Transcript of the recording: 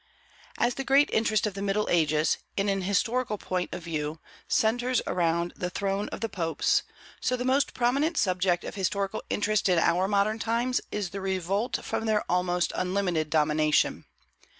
As the great interest of the Middle Ages, in an historical point of view, centres around the throne of the popes, so the most prominent subject of historical interest in our modern times is the revolt from their almost unlimited domination.